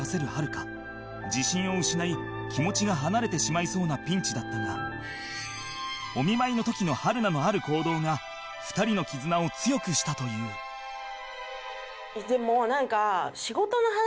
自信を失い気持ちが離れてしまいそうなピンチだったがお見舞いの時の春菜のある行動が２人の絆を強くしたというでもなんかなんか私的には。